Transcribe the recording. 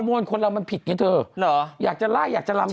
ชั้นไม่ได้